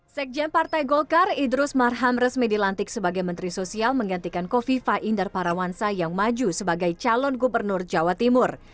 sekjen partai golkar idrus marham resmi dilantik sebagai menteri sosial menggantikan kofifa indar parawansa yang maju sebagai calon gubernur jawa timur